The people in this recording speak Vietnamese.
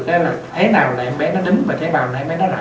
thế nào là em bé nó đứng và thế nào là em bé nó lặn